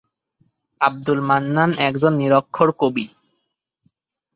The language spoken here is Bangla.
আব্দুল মান্নান একজন নিরক্ষর কবি।